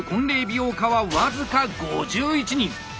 美容家は僅か５１人。